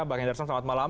bang endarsam selamat malam